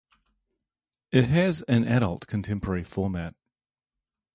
It has an adult contemporary format.